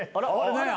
何や。